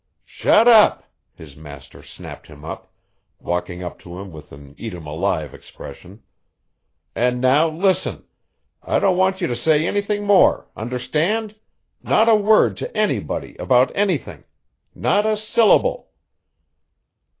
"Shut up!" his master snapped him up, walking up to him with an eat 'em alive expression. "And now listen I don't want you to say anything more, understand? Not a word to anybody about anything. Not a syllable!"